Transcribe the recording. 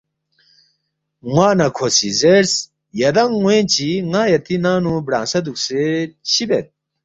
ن٘وا نہ کھو سی زیرس ”یدانگ ن٘وین چی ن٘ا یتی ننگ نُو برانگسہ دُوکسے چِہ بید